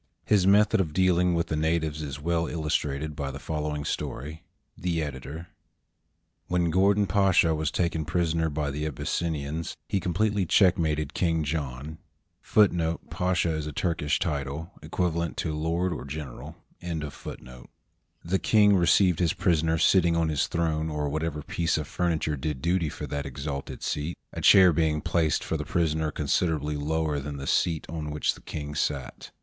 His method of dealing with the natives is well illustrated by the following story. The Editor.] When Gordon Pasha ^ was taken prisoner by the Abyssinians, he completely checkmated King John. The King received his prisoner sitting on his throne, or whatever piece of furniture did duty for that exalted seat, a chair being placed for the prisoner considerably lower than the seat on which the King sat.